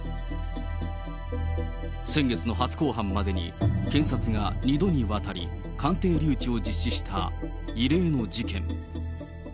先月の初公判までに検察が２度にわたり、鑑定留置を実施した異例の事件。